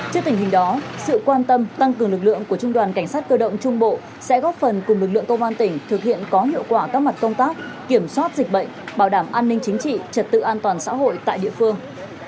trước tình hình đó sự quan tâm tăng cường lực lượng của trung đoàn cảnh sát cơ động trung bộ sẽ góp phần cùng lực lượng công an tỉnh thực hiện có hiệu quả các mặt công tác kiểm soát dịch bệnh bảo đảm an ninh chính trị trật tự an toàn xã hội tại địa phương